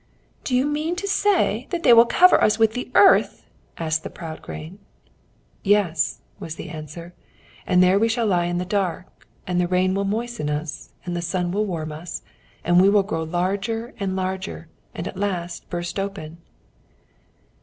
"Do you mean to say they will cover us with the earth?" asked the proud grain. "Yes," was the answer. "And there we shall lie in the dark, and the rain will moisten us, and the sun will warm us, until we grow larger and larger, and at last burst open!"